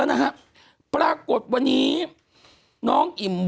คุณหนุ่มกัญชัยได้เล่าใหญ่ใจความไปสักส่วนใหญ่แล้ว